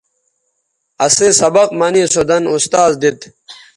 اسئ سبق منے سو دَن اُستاذ دیت